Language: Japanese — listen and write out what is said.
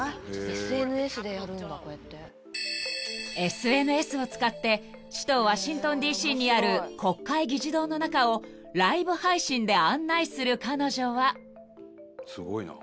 ［ＳＮＳを使って首都ワシントンＤ．Ｃ．にある国会議事堂の中をライブ配信で案内する彼女は］